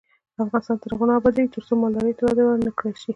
افغانستان تر هغو نه ابادیږي، ترڅو مالدارۍ ته وده ورنکړل شي.